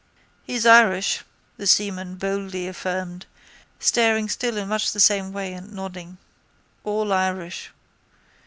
—He's Irish, the seaman bold affirmed, staring still in much the same way and nodding. All Irish.